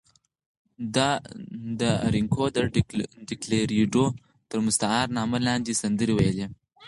ده د اینریکو ډیلکریډو تر مستعار نامه لاندې سندرې ویلې.